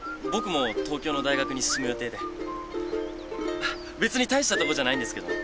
あっ別に大したとこじゃないんですけどね。